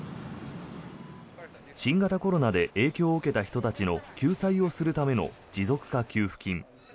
新型コロナで影響を受けた人たちの救済をするための持続化給付金。